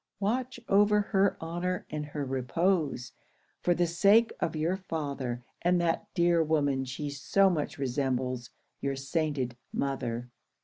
Watch over her honour and her repose, for the sake of your father and that dear woman she so much resembles, your sainted mother."